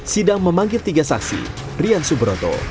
sidang memanggil tiga saksi rian subroto